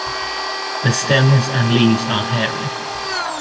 The stems and leaves are hairy.